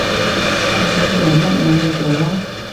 你想做乜咪去做囉